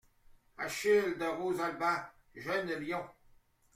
Achille de Rosalba , jeune lion.